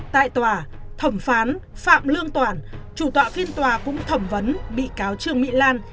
tại tòa thẩm phán phạm lương toản chủ tọa phiên tòa cũng thẩm vấn bị cáo trương mỹ lan